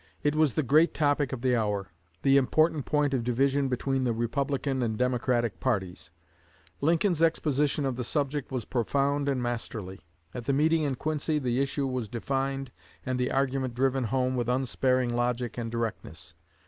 It was the great topic of the hour the important point of division between the Republican and Democratic parties. Lincoln's exposition of the subject was profound and masterly. At the meeting in Quincy the issue was defined and the argument driven home with unsparing logic and directness.